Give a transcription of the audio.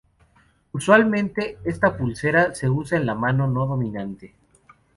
Usualmente esta pulsera se usa en la mano no dominante.